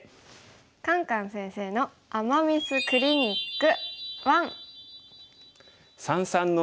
「カンカン先生の“アマ・ミス”クリニック１」。